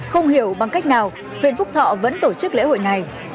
không hiểu bằng cách nào huyện phúc thọ vẫn tổ chức lễ hội này